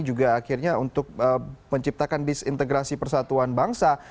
juga akhirnya untuk menciptakan disintegrasi persatuan bangsa